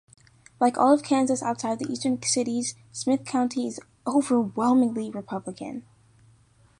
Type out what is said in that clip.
Like all of Kansas outside the eastern cities, Smith County is overwhelmingly Republican.